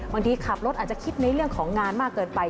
ขับรถอาจจะคิดในเรื่องของงานมากเกินไป